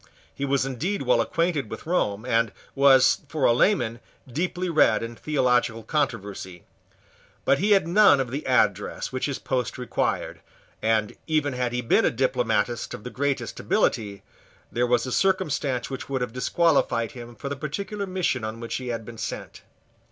He was indeed well acquainted with Rome, and was, for a layman, deeply read in theological controversy. But he had none of the address which his post required; and, even had he been a diplomatist of the greatest ability, there was a circumstance which would have disqualified him for the particular mission on which he had been sent.